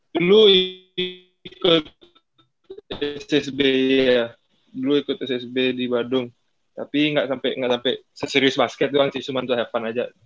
dulu ikut ssb ya dulu ikut ssb di badung tapi nggak sampai seserius basket doang sih cuma tahapan aja